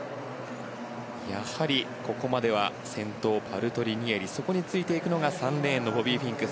やはりここまでは先頭、パルトリニエリそこについていくのが３レーンのボビー・フィンク。